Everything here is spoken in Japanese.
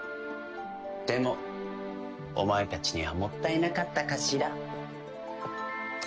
でもお前たちにはもったいなかったかしら。